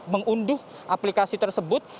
mengunduh aplikasi tersebut